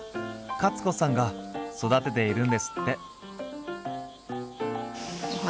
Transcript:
カツ子さんが育てているんですって。